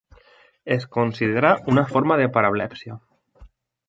Es considera una forma de parablèpsia.